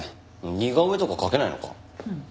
似顔絵とか描けないのか？